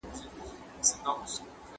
د انسان ژوند ډېر ارزښت لري.